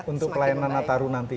untuk pelayanan nataru nanti